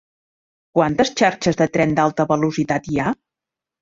Quantes xarxes de tren d'alta velocitat hi ha?